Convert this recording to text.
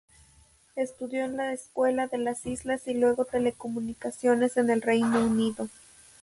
Estudió en la escuela de las islas y luego telecomunicaciones en el Reino Unido.